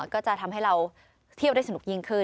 ก็จะทำให้เราเที่ยวได้สนุกยิ่งขึ้น